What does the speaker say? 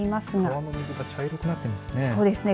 川の水が茶色くなっていますね。